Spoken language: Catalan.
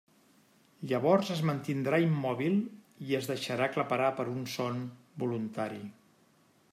Llavors es mantindrà immòbil i es deixarà aclaparar per un son voluntari.